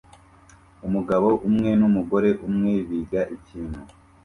Umugabo umwe numugore umwe biga ikintu